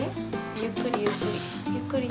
ゆっくりゆっくり。